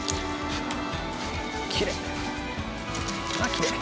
きれい。